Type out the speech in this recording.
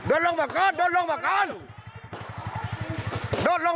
โอ้โหโกรธลงมาได้ค่ะ